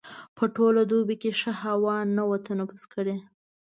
په ټوله دوبي کې ښه هوا نه وه تنفس کړې.